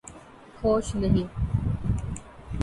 ہوش نہیں